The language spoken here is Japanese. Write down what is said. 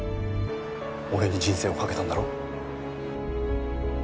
俺に人生を懸けたんだろう？